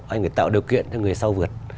anh phải tạo điều kiện cho người sau vượt